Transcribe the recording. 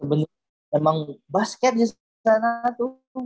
emang basket disana tuh